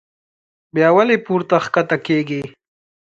بيا ولې پورته کښته کيږي